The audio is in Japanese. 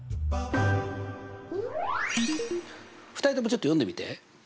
２人ともちょっと読んでみて。